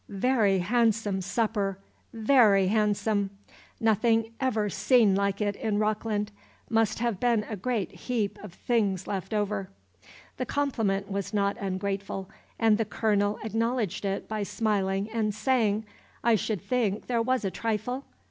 "Very hahnsome supper, very hahnsome. Nothin' ever seen like it in Rockland. Must have been a great heap of things leftover." The compliment was not ungrateful, and the Colonel acknowledged it by smiling and saying, "I should think the' was a trifle?